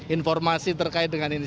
informasi terkait dengan ini